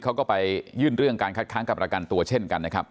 เขาก็ไปยื่นเรื่องการคัดค้างกับประกันตัวเช่นกันนะครับ